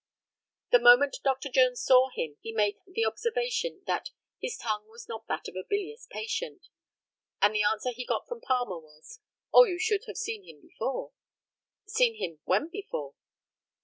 The moment Dr. Jones saw him he made the observation that his "tongue was not that of a bilious patient," and the answer he got from Palmer was, "Oh, you should have seen him before." Seen him when before?